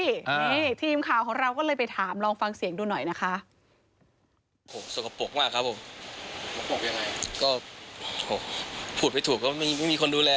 นี่ทีมข่าวของเราก็เลยไปถามลองฟังเสียงดูหน่อยนะคะ